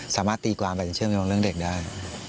สามารถตีความแบบเชื่อมโยงเรื่องเด็กได้